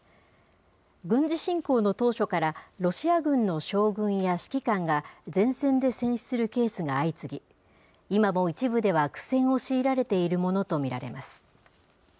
軍事侵攻の当初から、ロシア軍の将軍や指揮官が、前線で戦死するケースが相次ぎ、今も一部では苦戦を強いられているものと見られます。